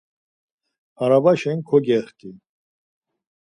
Arabaşen kogexti.